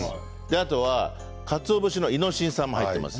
あとはかつお節のイノシン酸も入っています。